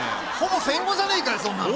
ほぼ戦後じゃねえかよ